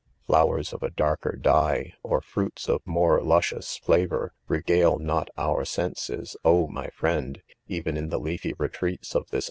Flowers of a darker dye, or fruits' of more luscio.ujs flavor, regale mot our senses, oh, my friend, even in the leafy retreats of this